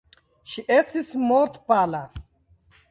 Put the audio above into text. Ŝi estis mortpala.